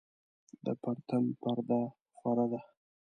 د پرتم پرده خوره ده